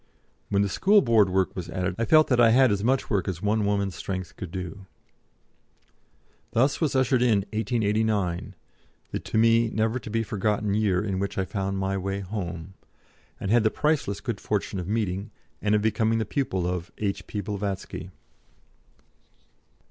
When the School Board work was added I felt that I had as much work as one woman's strength could do. Thus was ushered in 1889, the to me never to be forgotten year in which I found my way "Home," and had the priceless good fortune of meeting, and of becoming the pupil of, H.P. Blavatsky.